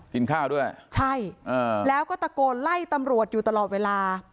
กินข้าวด้วยใช่แล้วก็ตะโกนไล่ตำรวจอยู่ตลอดเวลา